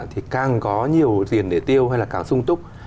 thì càng có nhiều tiền để tiêu hay là càng sung túc